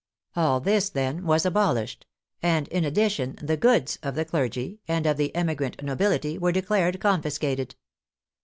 All this, then, was abolished, and in addition the " goods " of the clergy and of the " emigrant " nobility were declared confiscated.